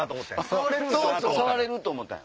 触れると思ったんよ。